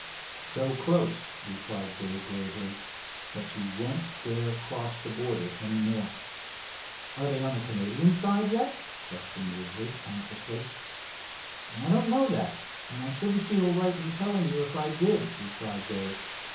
"So close," replied Dave gravely, "that you won't dare to cross the border any more." "Are they on the Canadian side yet?" questioned Ridgely anxiously. "I don't know that, and I shouldn't feel right in telling you if I did," replied Dave.